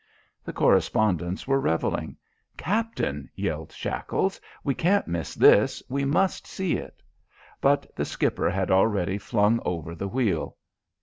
The correspondents were revelling. "Captain," yelled Shackles, "we can't miss this! We must see it!" But the skipper had already flung over the wheel.